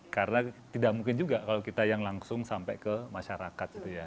karena tidak mungkin juga kalau kita yang langsung sampai ke masyarakat gitu ya